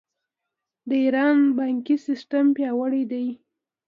د ایران بانکي سیستم پیاوړی دی.